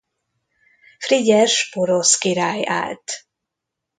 Frigyes porosz király állt.